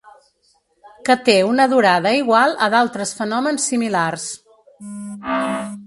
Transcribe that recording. Que té una durada igual a d'altres fenòmens similars.